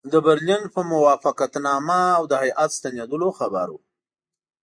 د برلین په موافقتنامه او د هیات ستنېدلو خبر وو.